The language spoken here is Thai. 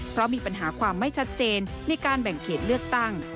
เพราะมีปัญหาความไม่ชัดเจนในการแบ่งเขตเลือกตั้ง